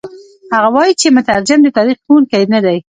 هغه وايي چې مترجم د تاریخ ښوونکی نه دی.